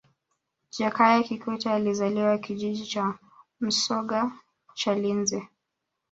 jakaya kikwete alizaliwa kijiji cha msoga chalinze